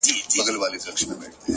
مځکه هغه سوځي، چي اور پر بل وي.